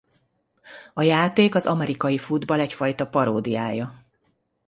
A játék az amerikai futball egyfajta paródiája.